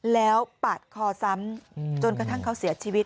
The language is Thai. แล้วปาดคอซ้ำจนกระทั่งเขาเสียชีวิต